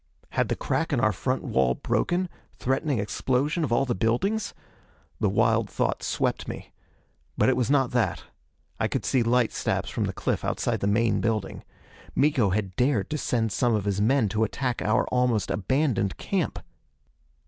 Had the crack in our front wall broken, threatening explosion of all the buildings? The wild thoughts swept me. But it was not that. I could see light stabs from the cliff outside the main building. Miko had dared to send some of his men to attack our almost abandoned camp!